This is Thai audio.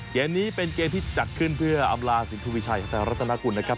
เกมนี้เป็นเกมที่จัดขึ้นเพื่ออำลาสินทวิชัยไทยรัฐนากุลนะครับ